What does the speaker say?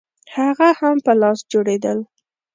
هغه هم په لاس جوړېدل